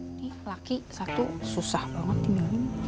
ini laki satu susah banget diminum